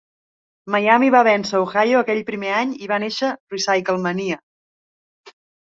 Miami va vèncer Ohio aquell primer any i va néixer RecycleMania.